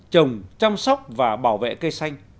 trồng chăm sóc và bảo vệ cây xanh